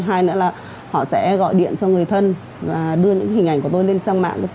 hai nữa là họ sẽ gọi điện cho người thân và đưa những hình ảnh của tôi lên trang mạng